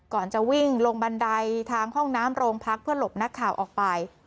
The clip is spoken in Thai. จะวิ่งลงบันไดทางห้องน้ำโรงพักเพื่อหลบนักข่าวออกไป